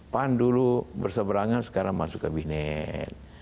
pan dulu berseberangan sekarang masuk kabinet